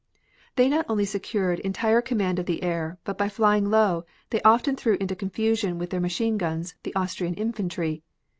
They not only secured entire command of the air, but by flying low they often threw into confusion with their machine guns the Austrian infantry.